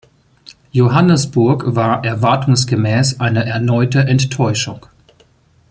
Johannesburg war erwartungsgemäß eine erneute Enttäuschung.